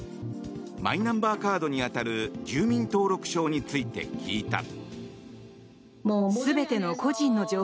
マイナンバーカードに当たる住民登録証について聞いた。